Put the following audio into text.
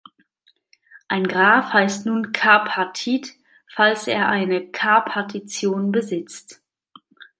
Ein Graph heißt nun k-partit, falls er eine "k"-Partition besitzt.